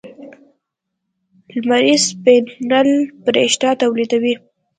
لمریز پینل برېښنا تولیدوي.